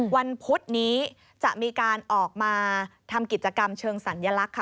พุธนี้จะมีการออกมาทำกิจกรรมเชิงสัญลักษณ์ค่ะ